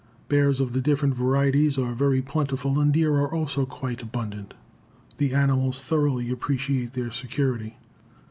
Bears of the different varieties are very plentiful and deer are also quite abundant. The animals thoroughly appreciate their security.